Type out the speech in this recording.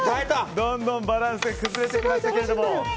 どんどんバランスが崩れてきましたが。